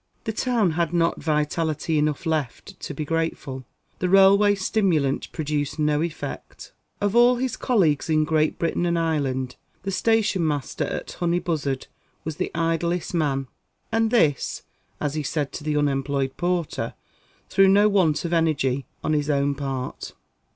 The town had not vitality enough left to be grateful; the railway stimulant produced no effect. Of all his colleagues in Great Britain and Ireland, the station master at Honeybuzzard was the idlest man and this, as he said to the unemployed porter, through no want of energy on his own part.